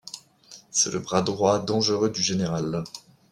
C'est le bras droit dangereux du Général.